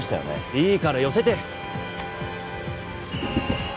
・いいから寄せて。